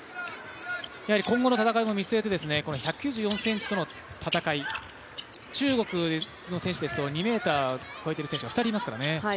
今後も見据えて１９４ｃｍの戦い、中国の選手ですと、２ｍを超えている選手が２人いますからね。